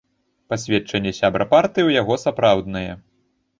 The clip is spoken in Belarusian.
Пасведчанне сябра партыі ў яго сапраўднае.